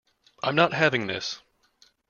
I'm not having this.